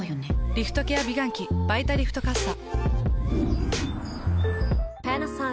リフトケア美顔器「バイタリフトかっさ」。